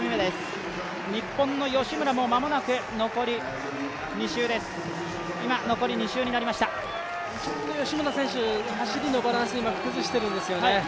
日本の吉村も間もなく残り２周です吉村選手、走りのバランス崩してるんですよね。